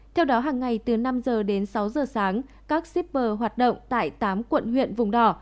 theo đó hàng ngày từ năm giờ đến sáu giờ sáng các shipper hoạt động tại tám quận huyện vùng đỏ